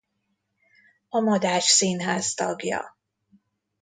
A Madách Színház tagja.